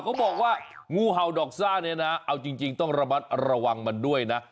เขาบอกว่างูเห่าดอกซั่นเอาจริงต้องระวังมันด้วยนะ